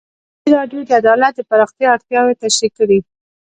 ازادي راډیو د عدالت د پراختیا اړتیاوې تشریح کړي.